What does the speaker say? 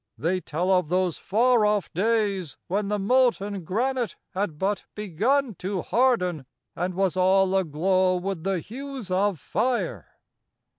They tell of those far off days when the molten granite had but begun to harden, and was all aglow with the hues of fire.